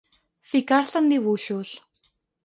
Ficar-se en dibuixos.